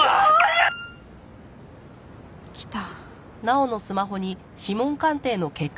来た。